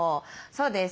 そうです。